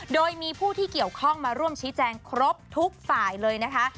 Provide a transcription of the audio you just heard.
โดยมีผู้ที่เกี่ยวข้องมาร่วมชี้แจงครบทุกฝ่ายเลยนะคะ